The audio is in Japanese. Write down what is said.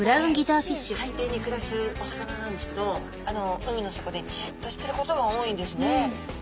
海底に暮らすお魚なんですけど海の底でじっとしてることが多いんですね。